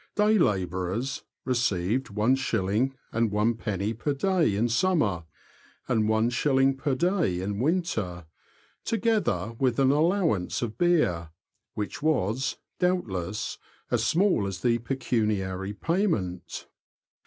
Day labourers received is. id. per day in summer, and IS. per day in winter, together with an allowance of beer, which was, doubtless, as small as the pecuniary payment.